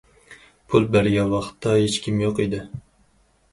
پۇل بەرگەن ۋاقىتتا ھېچكىم يوق ئىدى.